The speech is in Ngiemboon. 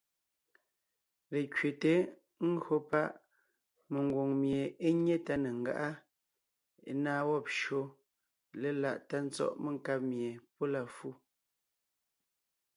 Lekẅeté (ńgÿo páʼ ) mengwòŋ mie é nyé tá ne ńgáʼa, ńnáa wɔ́b shÿó léláʼ tá tsɔ́ʼ menkáb mie pɔ́ la fu,